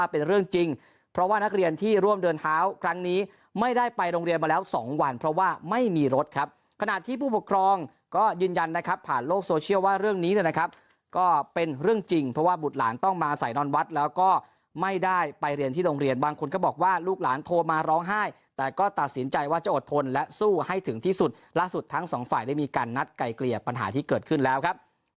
เป็นเรื่องจริงเพราะว่าบุตรหลานต้องมาใส่นอนวัดแล้วก็ไม่ได้ไปเรียนที่โรงเรียนบางคนก็บอกว่าลูกหลานโทรมาร้องไห้แต่ก็ตัดสินใจว่าจะอดทนและสู้ให้ถึงที่สุดล่าสุดทั้งสองฝ่ายได้มีการนัดไกลเกลี่ยปัญหาที่เกิดขึ้นแล้วครับ